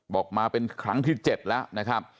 บอกมาเป็นครั้งที่๗แล้วนะครับ